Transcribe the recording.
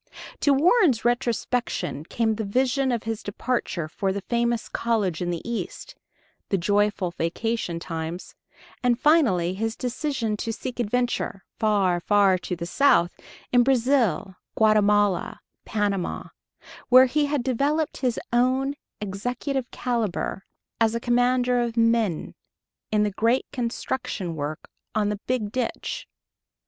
To Warren's retrospection came the vision of his departure for the famous college in the East, the joyful vacation times, and finally his decision to seek adventure far, far to the south in Brazil, Guatemala, Panama, where he had developed his own executive caliber as a commander of men, in the great construction work on the Big Ditch....